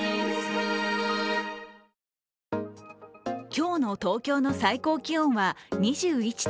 今日の東京の最高気温は２１．７度。